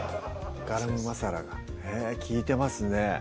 ガラムマサラがへぇ利いてますね